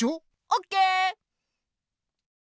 オッケー。